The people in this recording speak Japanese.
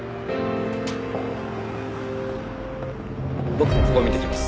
僕ここを見てきます。